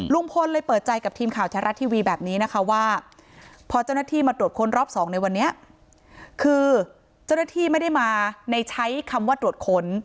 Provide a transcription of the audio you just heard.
ลุงพลเลยเปิดใจกับทีมข่าวแท้รัฐทีวีแบบนี้นะคะว่าพอเจ้าหน้าที่มาตรวจค้นรอบสองในวันนี้คือเจ้าหน้าที่ไม่ได้มาในใช้คำว่าตรวจค้น